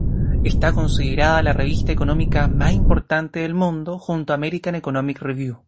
Está considerada la revista económica más importante del mundo, junto a American Economic Review.